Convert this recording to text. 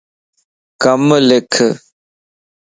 ڪم لک